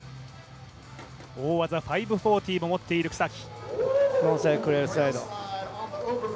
４５秒のラン、大技５４０も持っている草木。